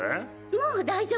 もう大丈夫です。